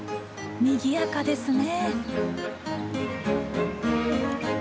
にぎやかですね。